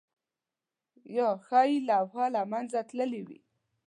یا ښايي لوحه له منځه تللې وي؟